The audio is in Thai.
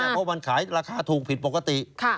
เพราะมันขายราคาถูกผิดปกติ